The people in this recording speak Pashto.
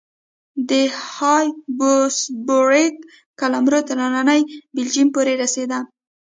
د هابسبورګ قلمرو تر ننني بلجیم پورې رسېده.